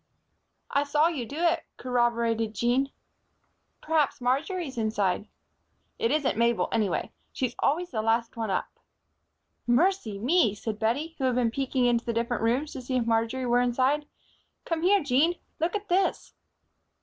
"I saw you do it," corroborated Jean. "Perhaps Marjory's inside." "It isn't Mabel, anyway. She's always the last one up." "Mercy me!" cried Bettie, who had been peeking into the different rooms to see if Marjory were inside. "Come here, Jean. Just look at this!"